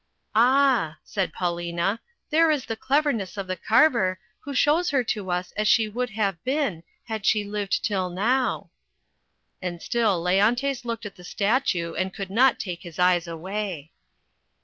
"Ah," said Paulina, "there is the cleverness of the carver, who shows her to us as she would have been, had she lived till now." And still Leontes looked at the statue and could not take his eyes away.